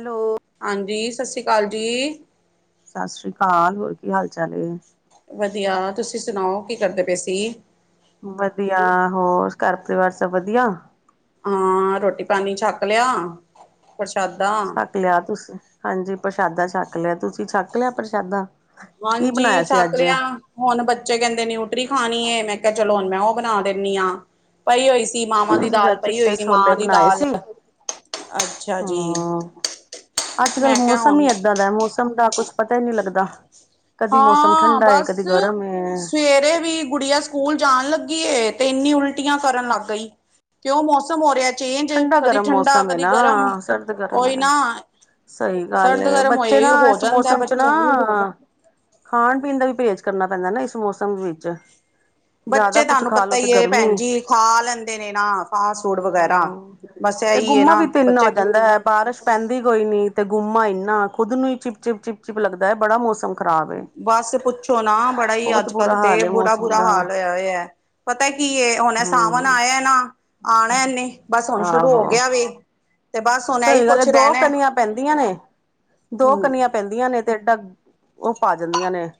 Hello ਹਾਂਜੀ, ਸਸੀਕਾਲ ਜੀ। ਸਾਸਰੀਕਾਲ, ਹੋਰ ਕੀ ਹਾਲ ਚਾਲ ਏ? ਵਧੀਆ, ਤੁਸੀਂ ਸੁਣਾਓ, ਕੀ ਕਰਦੇ ਪਏ ਸੀ? ਵਧੀਆ। ਹੋਰ ਘਰ ਪਰਿਵਾਰ ਸਭ ਵਧੀਆ? ਹਾਂ, ਰੋਟੀ ਪਾਣੀ ਛੱਕ ਲਿਆ, ਪ੍ਰਸ਼ਾਦਾ? ਛੱਕ ਲਿਆ ਤੁਸੀਂ, ਹਾਂਜੀ ਪ੍ਰਸ਼ਾਦਾ ਛੱਕ ਲਿਆ ਤੁਸੀਂ ਛੱਕ ਲਿਆ ਪ੍ਰਸ਼ਾਦਾ? ਕੀ ਹਾਂਜੀ, ਬਣਾਇਆ ਸੀ ਛੱਕ ਅੱਜ? ਲਿਆ। ਹੁਣ ਬੱਚੇ ਕਹਿੰਦੇ ਨਿਊਟਰੀ ਖਾਣੀ ਏ। ਮੈਂ ਕਿਹਾ ਚਲੋ ਹੁਣ ਮੈਂ ਉਹ ਬਣਾ ਦੇਨੀ ਆਂ। ਪਈ ਹੋਈ ਸੀ, ਮਾਵਾਂ ਦੀ ਅਸੀਂ ਤਾਂ ਦਾਲ ਪਈ ਚਿੱਟੇ ਹੋਈ ਸੀ, ਛੋਲੇ ਮਾਂ ਦੀ ਬਣਾਏ ਦਾਲ। ਸੀ ਅੱਛਾ ਜੀ। ਹੂੰ। ਅੱਜ ਕੱਲ੍ਹ ਮੈਂ ਕਿਹਾ ਮੌਸਮ ਹੁਣ ਹੀ ਇੱਦਾਂ ਦਾ ਹੈ, ਮੌਸਮ ਦਾ ਕੁਛ ਪਤਾ ਈ ਨਹੀਂ ਲੱਗਦਾ। ਕਦੀ ਮੌਸਮ ਹਾਂ, ਠੰਡਾ ਏ ਕਦੀ ਬਸ ਗਰਮ ਏ। ਸਵੇਰੇ ਵੀ ਗੁੜੀਆ ਸੁ ਸਕੂਲ ਜਾਣ ਲੱਗੀ ਏ ਤੇ ਇੰਨੀ ਉਲਟੀਆਂ ਕਰਨ ਲੱਗ ਗਈ ਕਿਉਂ ਮੌਸਮ ਹੋ ਰਿਹਾ ਚੇਂਜ ਠੰਡਾ ਕਦੀ ਗਰਮ ਠੰਡਾ ਮੌਸਮ ਏ ਕਦੀ ਗਰਮ ਨਾ ਸਰਦ ਗਰਮ ਓਈ ਏ। ਨਾ ਸਹੀ ਗੱਲ ਸਰਦ ਗਰਮ ਬੱਚੇ ਹੋਏ ਨਾ ਹੋ ਇਸ ਜਾਂਦਾ ਮੌਸਮ ਚ ਨਾ ਬੱਚਾ ਖਾਣ ਪੀਣ ਦਾ ਵੀ ਪਰਹੇਜ਼ ਕਰਨਾ ਪੈਂਦਾ ਨਾ ਇਸ ਮੌਸਮ ਵਿੱਚ ਬੱਚੇ ਜ਼ਿਆਦਾ ਕੁਛ ਤੁਹਾਨੂੰ ਖਾ ਪਤਾ ਲੋ ਤੇ ਹੀਈ ਹੈ ਗਰਮੀ ਭੈਣ ਜੀ ਖਾ ਲੈਂਦੇ ਨੇ ਨਾ ਫਾਸਟ ਫੂਡ ਵਗੈਰਾ ਹਮ ਬਸ ਤੇ ਇਹੀ ਹੈ ਗੁੰਮਾ ਨਾ ਵੀ ਤਿੰਨ ਆ ਬੱਚੇ ਜਾਂਦਾ ਹੈ ਬਾਰਿਸ਼ ਪੈਂਦੀ ਕੋਈ ਨੀ ਤੇ ਗੁੰਮਾ ਇੰਨਾ ਖੁਦ ਨੂੰ ਹੀ ਚਿਪ ਚਿਪ ਚਿਪ ਚਿਪ ਲੱਗਦਾ ਹੈ ਬੜਾ ਮੌਸਮ ਖ਼ਰਾਬ ਹੈ। ਬਸ ਪੁੱਛੋ ਨਾ ਬੜਾ ਹੀ ਬਹੁਤ ਅੱਜ ਕੱਲ ਬੁਰਾ ਤੇ ਹਾਲ ਹੈ ਬੁਰਾ ਮੌਸਮ ਬੁਰਾ ਦਾ ਹਾਲ ਹੋਇਆ ਹੋਇਆ ਹੈ ਪਤਾ ਕੀ ਹੁਣ ਸਾਵਣ ਹਮ ਆਇਆ ਨਾ ਆਉਣਾ ਇਹਨੇ ਬਸ ਹੁਣ ਸ਼ੁਰੂ ਹੋ ਆਹੋ ਗਿਆ ਵੇ ਤੇ ਬਸ ਹੁਣ ਇਹੀ ਸਹੀ ਗੱਲ ਹੈ ਕੁਛ ਦੋ ਰਹਿਣਾ ਕਨੀਆਂ ਪੈਂਦੀਆਂ ਨੇ ਦੋ ਹਮ ਕਨੀਆਂ ਪੈਂਦੀਆਂ ਨੇ ਤੇ ਡਾ ਉਹ ਪਾ ਜਾਂਦੀਆਂ ਨੇ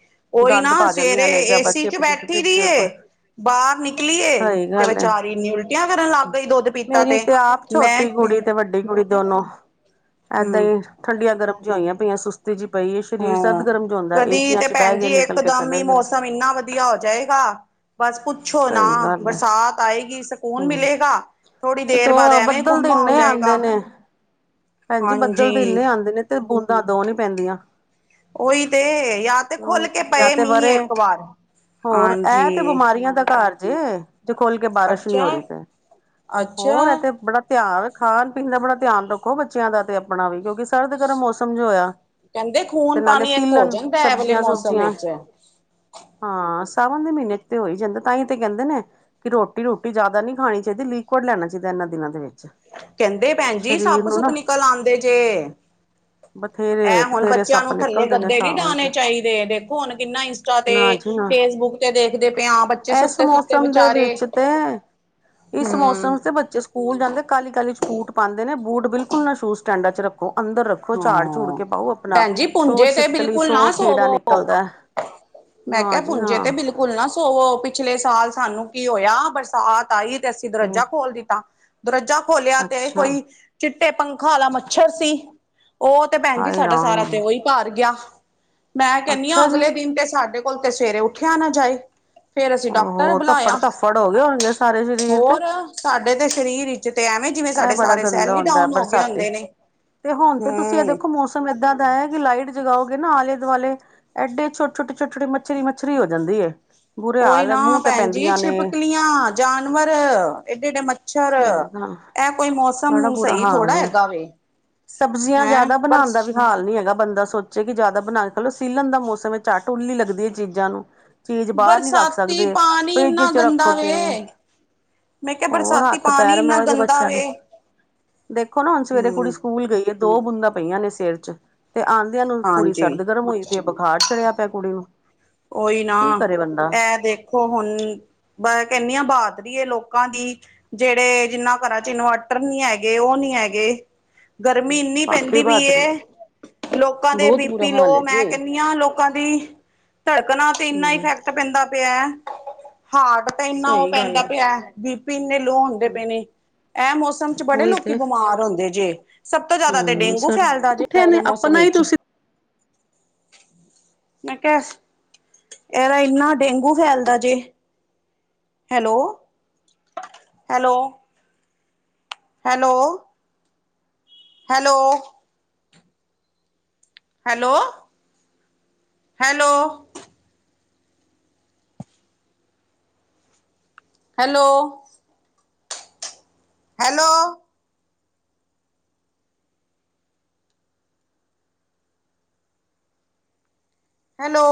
ਉਹੀ ਗੰਦ ਨਾ ਪਾ ਸਵੇਰੇ ਜਾਂਦੀਆਂ ਨੇ ਜਾਂ ਏਸੀ ਬੱਚੇ ਚ ਚਿਪ ਬੈਠੀ ਚਿਪ ਚਿਪ ਰਹੀ ਬਾਹਰ ਨਿਕਲੀਏ ਸਹੀ ਤੇ ਗੱਲ ਹੈ ਵਿਚਾਰੀੰ ਨ ਉਲਟੀਆਂ ਕਰਨ ਲੱਗ ਗਈ ਦੁੱਧ ਪੀਤਾ ਮੇਰੀ ਤੇ ਆਪ ਮੈਂ ਛੋਟੀ ਕੁੜੀ ਤੇ ਵੱਡੀ ਕੁੜੀ ਦੋਨੋ ਏਦਾਂ ਹਮ ਹੀ ਠੰਡੀਆਂ ਗਰਮ ਜ ਹੋਈਆਂ ਪਈਆਂ ਸੁਸਤੀ ਜਿਹੀ ਪਈ ਹੈ ਸਰੀਰ ਸਰਦ ਹਾਂ ਗਰਮ ਜਿਹਾ ਹੁੰਦਾ ਕਦੀ ਏਸੀਆਂ ਤੇ ਚ ਭੈਣ ਬਹਿ ਗਏ ਜੀ ਨਿਕਲ ਕੇ ਇਕਦਮ ਚਲੇ ਹੀ ਗਏ ਮੌਸਮ ਇੰਨਾ ਵਧੀਆ ਹੋ ਜਾਏਗਾ ਬਸ ਪੁੱਛੋ ਨਾ ਸਹੀ ਗੱਲ ਹੈ ਬਰਸਾਤ ਆਏਗੀ ਸਕੂਨ ਹਮ ਮਿਲੇਗਾ ਥੋੜ੍ਹੀ ਤੇ ਦੇਰ ਬਾਅਦ ਐਵੇਂ ਬੱਦਲ ਤੇ ਗੁੰਮਾ ਹੋ ਇੰਨੇ ਆਉਂ ਜਾਏਗਾ ਦੇਨੇ ਭੈਣਜੀ ਬੱਦਲ ਤੇ ਹਾਂਜੀ ਇੰਨੇ ਆਉਂਦੇ ਨੇ ਤੇ ਬੂੰਦਾਂ ਦੋ ਨੀ ਪੈਂਦੀਆਂ ਉਹੀ ਤੇ ਯਾ ਤੇ ਖੁੱਲ ਕੇ ਜਾਂ ਪਏ ਤੇ ਮੀਂਹ ਵਰੇ ਇੱਕ ਵਾਰ ਹੋਰ ਇਹ ਤੇ ਹਾਂਜੀ ਬਿਮਾਰੀਆਂ ਦਾ ਘਰ ਜੇ ਜੇ ਖੁਲ ਕੇ ਬਾਰਿਸ਼ ਨਹੀਂੀ ਅੱਛਾ ਹੋ ਰਹੀ ਤੇ ਅੱਛਾ ਹੋਰ ਇ ਤੇ ਬੜਾ ਧਿਆਨ ਖਾਣ ਪੀਣ ਦਾ ਬੜਾ ਧਿਆਨ ਰੱਖੋ ਬੱਚਿਆਂ ਦਾ ਤੇ ਆਪਣਾ ਵੀ ਕਿਉਂਕਿ ਸਰਦ ਗਰਮ ਮੌਸਮ ਜੋ ਹੋਇਆ ਕਹਿੰਦੇ ਤੇ ਖੂਨ ਨਾਲੇ ਪਾਣੀ ਇੱਕ ਹੋ ਸੀਲਣ ਜਾਂਦਾ ਐ ਵਾਲੇ ਸਬਜ਼ੀਆਂ ਮੌਸਮ ਸੁਬਜ਼ੀਆਂ ਵਿੱਚ ਹਾਂ ਸਾਵਨ ਦੇ ਮਹੀਨੇ ਚ ਤੇ ਹੋ ਹੀ ਜਾਂਦਾ ਤਾਂਹੀ ਤੇ ਕਹਿੰਦੇ ਨੇ ਕਿ ਰੋਟੀ ਰੋਟੀ ਜਿਆਦਾ ਨਹੀਂੀ ਖਾਣੀ ਚਾਹੀਦੀ ਲਿਕੁਵਡ ਲੈਣਾ ਚਾਹੀਦਾ ਇਹਨਾਂ ਦਿਨਾਂ ਦੇ ਵਿੱਚ ਕਹਿੰਦੇ ਭੈਣ ਜੀ ਸਰੀਰ ਸੱਪ ਨੂੰ ਸੁੱਪ ਨਾ ਨਿਕਲ ਆਉਂਦੇ ਜੇ ਬਥੇਰੇ ਇਹ ਹੁਣ ਬਥੇਰੇ ਬੱਚਿਆਂ ਸੱਪ ਨੂੰ ਥੱਲੇ ਨਿਕਲਦੇ ਨੇ ਗੱਦੇ ਨੀ ਸਾਵਣ ਡਾਣੇ ਚ ਚਾਹੀਦੇ ਦੇਖੋ ਹੁਣ ਕਿੰਨਾ ਤੇ ਨਾ ਜੀ ਨਾ ਫੇਸਬੁੱਕ ਤੇ ਦੇਖਦੇ ਪਏ ਹ ਬੱਚੇ ਇਸ ਸੁੱਤੇ ਸੁੱਤੇ ਮੌਸਮ ਦੇ ਬਚਾਰੇ ਵਿੱਚ ਤੇ ਇਸ ਮੌਸਮ ਤੇ ਬੱਚੇ ਸਕੂਲ ਜਾਂਦੇ ਕਾਹਲੀ ਕਾਹਲੀ ਚ ਬੂਟ ਪਾਉਂਦੇ ਨੇ ਬੂਟ ਬਿਲਕੁਲ ਨਾ ਸ਼ੂਜ ਸਟੈਂਡਾਂ ਚ ਰੱਖੋ ਅੰਦਰ ਰੱਖੋ। ਦੇਖੋ ਝਾੜ ਝੂੜ ਹਾਂ ਕੇ ਪਾਓ ਆਪਣਾ ਭੈਣ ਜੀ ਸੋ ਪੁੰਜੇ ਤੇ ਛਿਪਕਲੀ ਬਿਲਕੁਲ ਸੋ ਨਾ ਕੀੜਾ ਸੋਵੋ ਨਿਕਲਦਾ। ਮੈਂ ਨਾ ਕਿਹਾ ਜੀ ਨਾ ਪੁੰਜੇ ਤੇ ਬਿਲਕੁਲ ਨਾ ਸੁ [unintelligible] ਪਿਛਲੇ ਸਾਲ ਸਾਨੂੰ ਕੀ ਹੋਇਆ ਬਰਸਾਤ ਆਈ ਤੇ ਅਸੀਂ ਦਰਵਾਜਾ ਖੋਲ ਦਿੱਤਾ। ਦਰਵਜਾ ਖੋਲਿਆ ਤੇ ਅੱਛਾ ਕੋਈ ਚਿੱਟੇ ਪੰਖਾ ਵਾਲਾ ਮੱਛਰ ਸੀ। ਉਹ ਤੇ ਭੈਣ ਜੀ ਹਾਏ ਸਾਡਾ ਸਾਰਾ ਤੇ ਰਾਮ ਉਹੀ ਭਾਰ ਗਿਆ ਮੈਂ ਕਹਿੰਦੀ ਹਾਂ ਅੱਛਾ ਜੀ ਅਗਲੇ ਦਿਨ ਤੇ ਸਾਡੇ ਹੁਣ ਤੇ ਸਵੇਰੇ ਉੱਠਿਆ ਨਾ ਜਾਏ ਫੇਰ ਅਸੀਂ ਡਾਕਟਰ ਉਹ ਧੱਫੜ ਬੁਲਾਇਆ ਧੱਫੜ ਹੋ ਗਏ ਹੋਣਗੇ ਸਾਰੇ ਸਰੀਰ ਤੇ ਹੋਰ ਸਾਡੇ ਤੇ ਸਰੀਰ ਵਿੱਚ ਤੇ ਐਵੇਂ ਜਿਵੇਂ ਇਹ ਸਾਡੇ ਬੜਾ ਸਾਰੇ ਸੈੱਲ ਗੰਦਾ ਹੀ ਹੁੰਦਾ ਡਾਊਨ ਹੋਗੇ ਬਰਸਾਤੀ ਹੁੰਦੇ ਨੇ। ਤੇ ਹੁਣ ਤੇ ਤੁਸੀਂ ਇਹ ਹੂੰ ਦੇਖੋ ਮੌਸਮ ਇੱਦਾਂ ਦਾ ਹੈ ਕਿ ਲਾਈਟ ਜਗਾਓਗੇ ਨਾ ਆਲੇ ਦੁਆਲੇ, ਐਡੇ ਛੋਟੇ ਛੋਟੇ ਛੋਟੇ ਛੋਟੇ ਮੱਛਰੀ ਮੱਛਰੀ ਹੋ ਜਾਂਦੀ ਏ। ਓਹੀ ਨਾ ਭੈਣ ਜੀ ਛਿਪਕਲੀਆਂ ਜਾਨਵਰ ਏਡੇ ਏਡੇ ਮੱਛਰ, ਹਾਂ। ਇਹ ਕੋਈ ਮੌਸਮ ਸਹੀ ਥੋੜ੍ਹਾ ਹੈਗਾ ਵੇ। ਸਬਜ਼ੀਆਂ ਹੈਂ ਜ਼ਿਆਦਾ ਬਣਾਉਣ ਬਸ ਦਾ ਵੀ ਹਾਲ ਨੀ ਹੈਗਾ ਬੰਦਾ ਸੋਚ ਕਿ ਜ਼ਿਆਦਾ ਬਣਾ ਲੇ ਸੀਲਣ ਦਾ ਮੌਸਮ ਹੈ ਚੱਟ ਉੱਲੀ ਲੱਗਦੀ ਏ ਚੀਜ਼ਾਂ ਨੂੰ। ਚੀਜ਼ ਬਾਹਰ ਨੀ ਰੱਖ ਬਰਸਾਤੀ ਸਕਦੇ ਪਾਣੀ ਫਰਿੱਜ ਇੰਨਾ ਚ ਰੱਖੋ ਗੰਦਾ ਤੇ, ਵੇ। ਮੈਂ ਕਿਹਾ ਹੋਰ ਬਰਸਾਤੀ ਹੱਥ ਪਾਣੀ ਪੈਰ ਇੰਨਾ ਮੈਂ ਗੰਦਾ ਵੇ [unintelligible] ਦੇਖੋ ਨਾ ਹੁਣ ਸਵੇਰੇ ਕੁੜੀ ਹੂੰ ਸਕੂਲ ਗਈ ਏ ਦੋ ਬੂੰਦਾਂ ਪਈਆਂ ਨੇ ਸਿਰ ਚ। ਤੇ ਆਦਿਆਂ ਨੂੰ ਕੁੜੀ ਹਾਂਜੀ। ਸਰਦ ਗਰਮ ਹੋਈ ਪੀ ਏ ਬੁਖਾਰ ਚੜਿਆ ਪਿਆ ਕੁੜੀ ਨੂੰ। ਓਹੀ ਨਾ ਕੀ ਕਰੇ ਬੰਦਾ ਇਹ ਦੇਖੋ ਹੁਣ, ਮੈਂ ਕਹਿੰਨੀ ਆਂ ਬਹਾਦਰੀ ਏ ਲੋਕਾਂ ਦੀ ਜੇੜੇ ਜਿੰਨਾਂ ਘਰਾਂ ਚ ਇਨਵਰਟਰ ਨੀ ਹੈਗੇ, ਉਹ ਨੀ ਹੈਗੇ। ਗਰਮੀ ਇੰਨੀ ਵਾਕਈ ਪੈਂਦੀ ਪਈ ਬਹਾਦਰੀ ਏ, ਹੈ। ਲੋਕਾਂ ਦੇ ਬਹੁਤ ਬੁਰਾ ਬੀਪੀ ਹਾਲ ਲੋ, ਏ ਮੈਂ ਜੀ ਕਹਿੰਨੀਂ ਹਾਂ ਲੋਕਾਂ ਦੀ ਧੜਕਨਾ ਤੇ ਇੰਨਾ ਹੂੰ ਇਫੈਕਟ ਪੈਂਦਾ ਪਿਆ ਹੈ। ਹਾਰਟ ਤੇ ਇੰਨਾ ਉਹ ਸਹੀ ਗੱਲ ਪੈਂਦਾ ਏ ਪਿਆ, ਬੀ ਪੀ ਇੰਨੇ ਲੋਅ ਹੁੰ ਹੁੰਦੇ ਪਏ ਨੇ, ਇਹ ਮੌਸਮ ਚ ਬੜੇ ਉਹੀ ਲੋਕੀ ਤੇ ਬਿਮਾਰ ਹੁੰਦੇ ਜੇ। ਸਭ ਤੋ ਜਿਆਦਾ ਤੇ ਹੂੰ ਡੇਂਗੂ ਸਰ ਫੈਲਦਾ ਜੇ ਇਹ ਉੱਠਿਆ ਵਾਲੇ ਨੇ ਮੌਸਮ ਆਪਣਾ ਹੀ ਵਿੱਚ। ਤੁਸੀਂ ਮੈਂ ਕਿਹਾ ਅਹਦਾ ਇੰਨਾ ਡੇਂਗੂ ਫੈਲਦਾ ਜੇ। Hello hello. Hello. Hello. Hello. Hello. Hello. Hello. Hello.